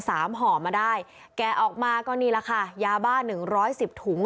ห่อมาได้แกะออกมาก็นี่แหละค่ะยาบ้าหนึ่งร้อยสิบถุง